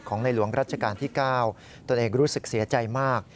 ของในหลวงรัชกาลที่เก้าตัวเองรู้สึกเสียใจมาก